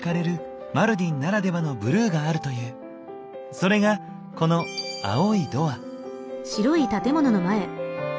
それがこの青いドア。